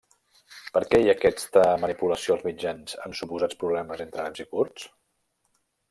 Per què hi ha aquesta manipulació als mitjans amb suposats problemes entre àrabs i kurds?